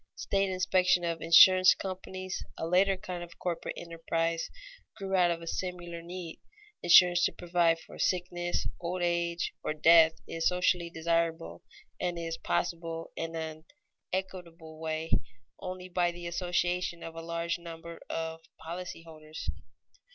State inspection of insurance companies, a later kind of corporate enterprise, grew out of a similar need. Insurance to provide for sickness, old age, or death is socially desirable and is possible in an equitable way only by the association of a large number of policy holders.